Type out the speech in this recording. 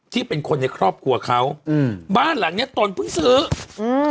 ที่เป็นคนในครอบครัวเขาอืมบ้านหลังเนี้ยตนเพิ่งซื้ออืม